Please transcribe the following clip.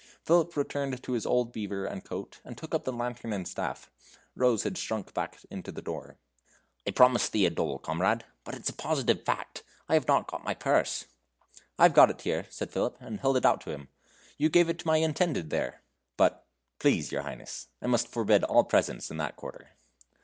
Philip returned to his old beaver and coat, and took up the lantern and staff. Rose had shrunk back into the door. "I promised thee a dole, comrade but it's a positive fact I have not got my purse." "I've got it here," said Philip, and held it out to him. "You gave it to my intended there; but, please your Highness, I must forbid all presents in that quarter."